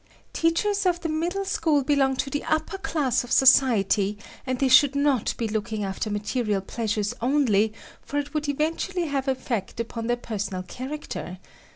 "Teachers of the middle school belong to the upper class of society and they should not be looking after material pleasures only, for it would eventually have effect upon their personal character.